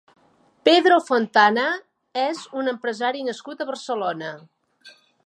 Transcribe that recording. Pedro Fontana és un empresari nascut a Barcelona.